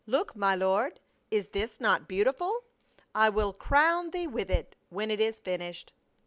" Look, my lord, is this not beautiful ? I will crown thee with it when it is finished."